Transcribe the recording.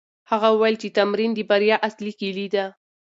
هغه وویل چې تمرين د بریا اصلي کیلي ده.